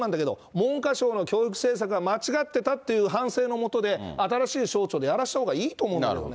文科省の教育政策が間違ってたって反省のもとで、新しい省庁でやらせた方がいいと思うんですよね。